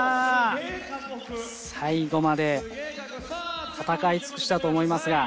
最後まで戦い尽くしたと思いますが。